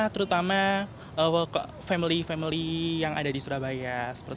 terutama family family yang ada di surabaya